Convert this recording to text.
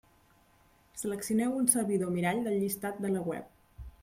Seleccioneu un servidor mirall del llistat de la web.